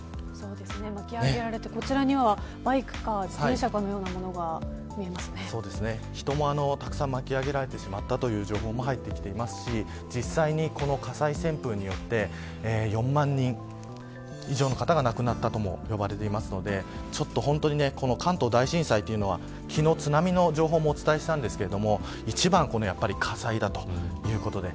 巻き上げられて、こちらにはバイクか自転車のようなものが人もたくさん巻き上げられてしまったという情報も入っていますし実際にこの火災旋風によって４万人以上の方が亡くなったとも呼ばれていますので関東大震災というのは、昨日津波の情報もお伝えしたんですが一番はこの火災だということで。